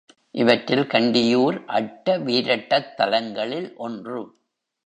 இவற்றில் கண்டியூர் அட்ட வீரட்டத்தலங்களில் ஒன்று.